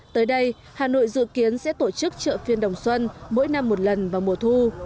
tới đây hà nội dự kiến sẽ tổ chức chợ phiên đồng xuân mỗi năm một lần vào mùa thu